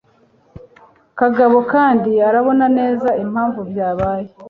Kagabo, kandi urabona neza impamvu byabaye,